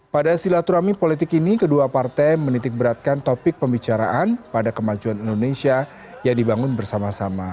pada silaturahmi politik ini kedua partai menitik beratkan topik pembicaraan pada kemajuan indonesia yang dibangun bersama sama